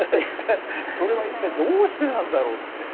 それは一体どうしてなんだろうって。